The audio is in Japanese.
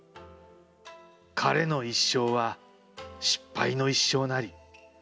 彼の一生は失敗の一生なり。